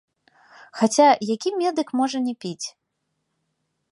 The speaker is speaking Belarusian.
Хаця які медык можа не піць?